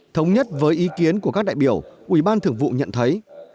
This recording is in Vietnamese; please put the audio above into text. thống nhất với ý kiến của các đại biểu ủy ban thượng vụ nhận thấy